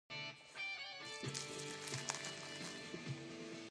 Erguner took his case to court and won a modest indemnity.